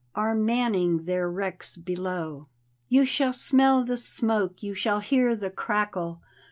Are manning their wrecks below. You shall smell the smoke, you shall hear the crackle.